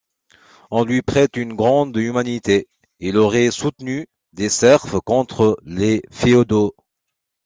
On lui prête une grande Humanité, il aurait soutenu des serfs contre les féodaux.